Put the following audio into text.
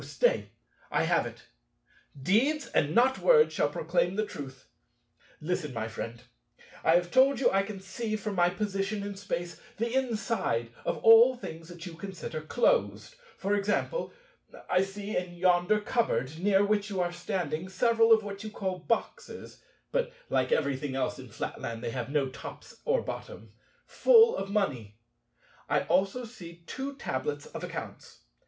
Stay, I have it. Deeds, and not words, shall proclaim the truth. Listen, my friend. I have told you I can see from my position in Space the inside of all things that you consider closed. For example, I see in yonder cupboard near which you are standing, several of what you call boxes (but like everything else in Flatland, they have no tops or bottom) full of money; I see also two tablets of accounts.